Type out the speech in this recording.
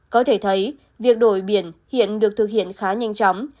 có thể thấy việc đổi biển hiện được thực hiện khá nhanh chóng